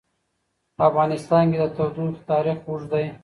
په افغانستان کې د تودوخه تاریخ اوږد دی.